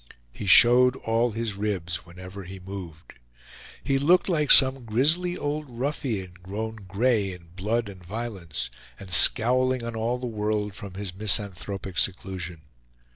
He showed all his ribs whenever he moved. He looked like some grizzly old ruffian grown gray in blood and violence, and scowling on all the world from his misanthropic seclusion.